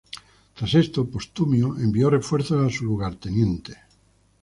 Tras esto, Postumio envió refuerzos a su lugarteniente.